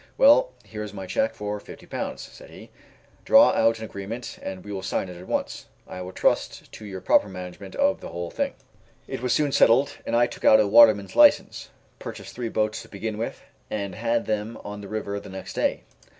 "Well, here is my cheque for Ł50," said he, "draw out an agreement and we will sign it at once, and I will trust to your proper management of the whole thing." It was soon settled, and I took out a waterman's licence, purchased three boats to begin with, and had them on the river the next day.